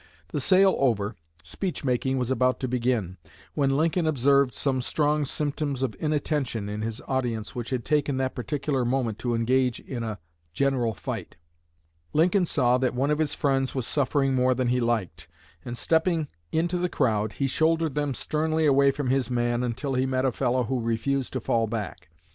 The sale over, speech making was about to begin, when Lincoln observed some strong symptoms of inattention in his audience which had taken that particular moment to engage in a a general fight. Lincoln saw that one of his friends was suffering more than he liked, and stepping into the crowd he shouldered them sternly away from his man until he met a fellow who refused to fall back.